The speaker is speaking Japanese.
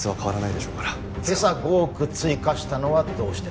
今朝５億追加したのはどうしてだ？